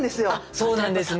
そうなんですね。